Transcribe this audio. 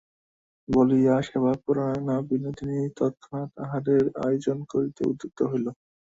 বলিয়া সেবাপরায়ণা বিনোদিনী তৎক্ষণাৎ আহারের আয়োজন করিতে উদ্যত হইল।